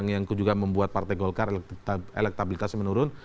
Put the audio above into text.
yang juga membuat partai golkar elektabilitasnya menurun